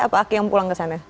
apa aki yang pulang ke sana